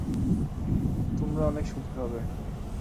তোমরা অনেক সুখী হবে!